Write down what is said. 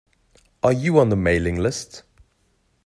Are you on the mailing list?